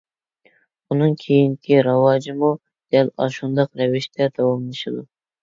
ئۇنىڭ كېيىنكى راۋاجىمۇ دەل ئاشۇنداق رەۋىشتە داۋاملىشىدۇ.